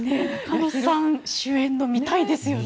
中野さん主演の見たいですよね。